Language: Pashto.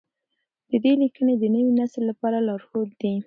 د ده لیکنې د نوي نسل لپاره لارښود دي.